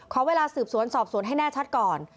ขอเวลาสืบสวนสอบสวนให้แน่ชัดก่อน